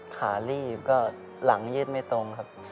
ขาลีบก็หลังยืดไม่ตรงครับ